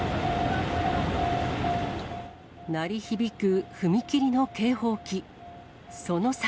鳴り響く踏切の警報器。